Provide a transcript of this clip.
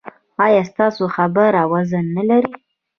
ایا ستاسو خبره وزن نلري؟